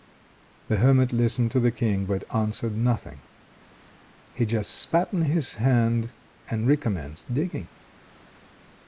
The hermit listened to the King, but answered nothing. He just spat on his hand and recommenced digging.